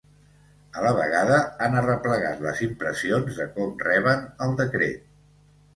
A la vegada han arreplegat les impressions de com reben el decret.